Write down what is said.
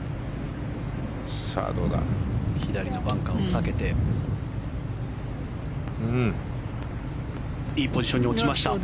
左のバンカーを避けていいポジションに落ちました。